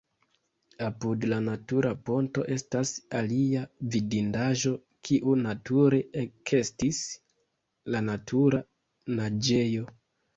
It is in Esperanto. Apud la natura ponto estas alia vidindaĵo kiu nature ekestis, la Natura Naĝejo.